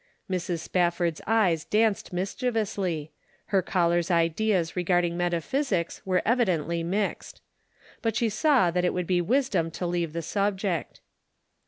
Mrs. Spafford's eyes danced mischievously ; her caller's ideas regarding metaphysics were evidently mixed. But she saw that it would be wisdom to leave the subject.